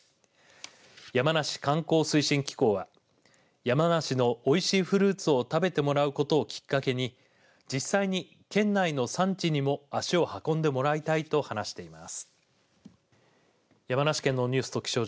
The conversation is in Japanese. やまなし観光推進機構は山梨のおいしいフルーツを食べてもらうことをきっかけに実際に県内の産地にも足を運んでもらいたいと話しています。